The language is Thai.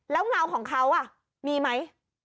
แล้วเงาของเขามีไหม